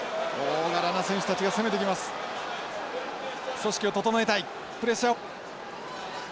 組織を整えたいプレッシャーを早くかけたい。